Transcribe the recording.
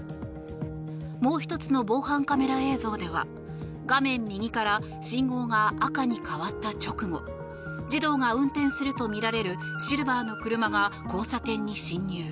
もう１つの防犯カメラ映像では画面右から信号が赤に変わった直後児童が運転するとみられるシルバーの車が交差点に進入。